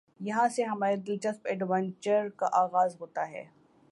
یہاں سے ہمارے دلچسپ ایڈونچر کا آغاز ہوتا ہے ۔